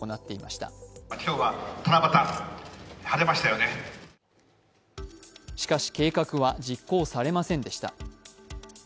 しかし、計画は実行されませんでした。